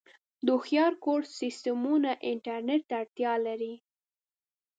د هوښیار کور سیسټمونه انټرنیټ ته اړتیا لري.